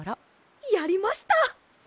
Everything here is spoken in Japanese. やりました！